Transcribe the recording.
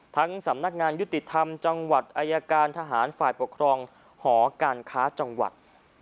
สำนักงานยุติธรรมจังหวัดอายการทหารฝ่ายปกครองหอการค้าจังหวัด